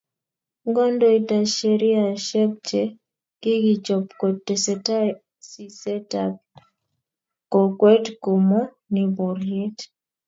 ngodoita sheriasheck che kikichob ko tesetai siset ab kokwet ko mo ni boryet